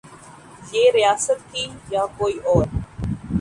یہ ریاست تھی یا کوئی اور؟